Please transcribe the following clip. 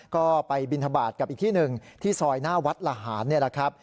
ก็ไปบินทบาทกับอีกที่หนึ่งที่ซอยหน้าวัดละหารนี่แหละครับ